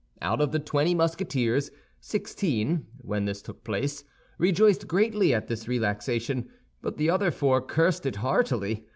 Out of the twenty Musketeers sixteen, when this took place, rejoiced greatly at this relaxation; but the other four cursed it heartily.